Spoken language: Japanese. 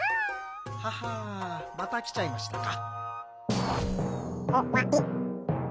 ははまたきちゃいましたか。